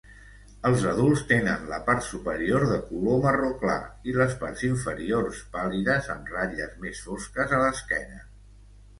Els adults tenen la part superior de color marró clar i les parts inferiors pàl·lides, amb ratlles més fosques a l'esquena.